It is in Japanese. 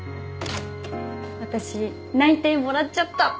私内定もらっちゃった。